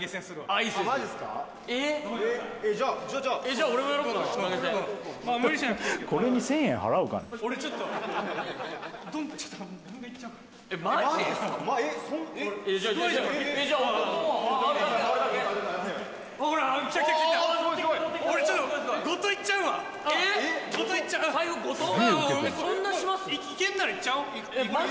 いけんならいっちゃおう